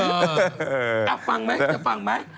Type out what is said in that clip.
ฟังไหมจะฟังไหม